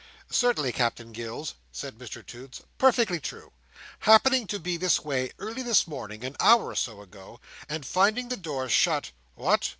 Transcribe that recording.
"Certainly, Captain Gills," said Mr Toots. "Perfectly true! Happening to be this way early this morning (an hour or so ago), and finding the door shut—" "What!